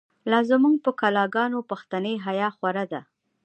لا زمونږ په کلا گانو، پښتنی حیا خوره ده